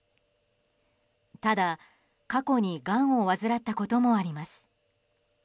ただ、過去にがんを患ったこともあります。